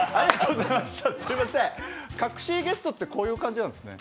隠しゲストってこういう感じなんですね。